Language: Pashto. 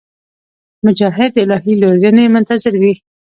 مجاهد د الهي لورینې منتظر وي.